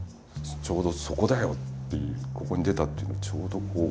「ちょうどそこだよ」って「ここに出た」っていうのがちょうどこう。